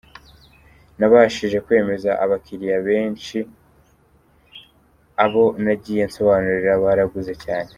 Nabashije kwemeza abakiriya benshi, abo nagiye nsobanurira baraguze cyane.